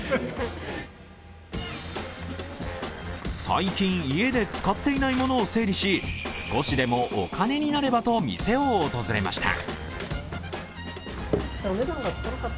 最近、家で使っていないものを整理し、少しでもお金になればと店を訪れました。